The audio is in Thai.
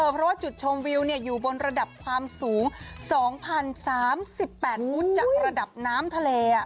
เพราะว่าจุดชมวิวอยู่บนระดับความสูง๒๐๓๘ฟุตจากระดับน้ำทะเล